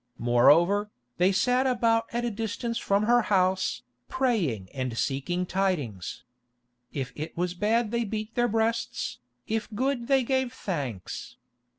Moreover, they sat about at a distance from her house, praying and seeking tidings. If it was bad they beat their breasts, if good they gave thanks.